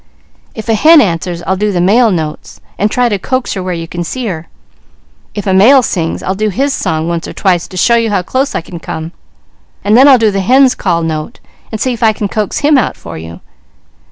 If a hen answers, I'll do the male notes, and try to coax her where you can see. If a male sings, I'll do his song once or twice to show you how close I can come, and then I'll do the hen's call note, and see if I can coax him out for you.